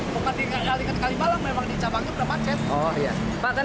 mau bukan di kalimalang memang di jakarta cikampek berapa jam